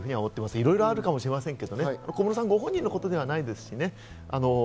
いろいろあるかもしれませんけどね、小室さんご本人のことではないですしね。